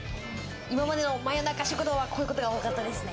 今までの真夜中食堂はこういうことが多かったですね。